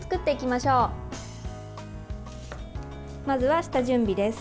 まずは下準備です。